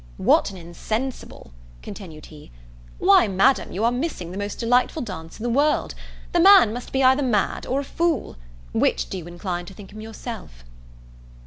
"What an insensible!" continued he; "why, Madam, you are missing the most delightful dance in the world! The man must be either mad or a fool Which do you incline to think him yourself?"